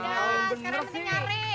sekarang mending nyari